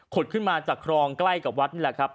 ขึ้นมาจากครองใกล้กับวัดนี่แหละครับ